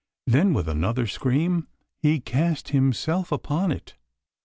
Then with another scream he cast himself upon it.